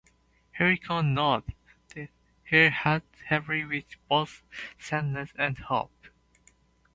Hiroko nodded, her heart heavy with both sadness and hope.